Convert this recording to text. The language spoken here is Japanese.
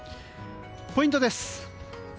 ポイントです。